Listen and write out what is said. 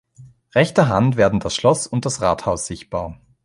Rechter Hand werden das Schloss und das Rathaus sichtbar.